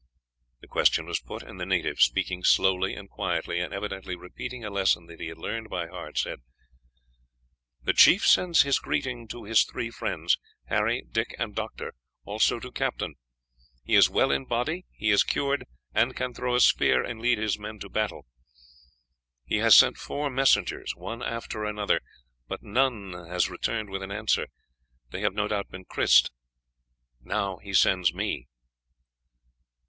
The question was put, and the native, speaking slowly and quietly, and evidently repeating a lesson that he had learned by heart, said, "The chief sends his greeting to his three friends, Harry, Dick, and Doctor, also to Captain. He is well in body; he is cured, and can throw a spear and lead his men to battle. He has sent four messengers one after another, but none have returned with an answer; they have no doubt been krised. Now he sends me."